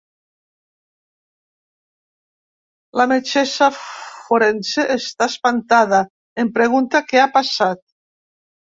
La metgessa forense està espantada, em pregunta què ha passat.